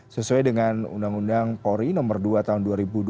sesuai dengan undang undang polri nomor dua tahun dua ribu dua puluh